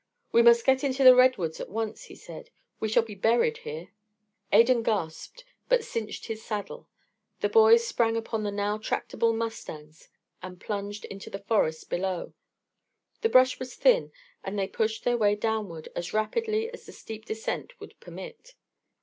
"We must get into the redwoods at once," he said. "We shall be buried here." Adan gasped but cinched his saddle; the boys sprang upon the now tractable mustangs and plunged into the forest below. The brush was thin, and they pushed their way downward as rapidly as the steep descent would permit.